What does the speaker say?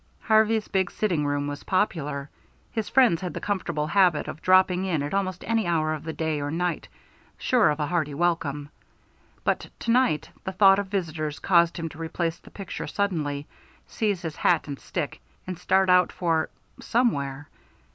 Harvey's big sitting room was popular. His friends had the comfortable habit of dropping in at almost any hour of the day or night, sure of a hearty welcome. But to night the thought of visitors caused him to replace the picture suddenly, seize his hat and stick, and start out for somewhere.